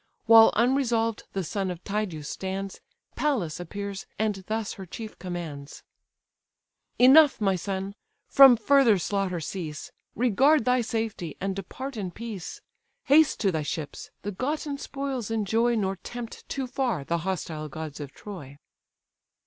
While unresolved the son of Tydeus stands, Pallas appears, and thus her chief commands: "Enough, my son; from further slaughter cease, Regard thy safety, and depart in peace; Haste to the ships, the gotten spoils enjoy, Nor tempt too far the hostile gods of Troy."